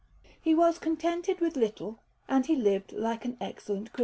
He was contented with little, and he lived like an excellent Christian.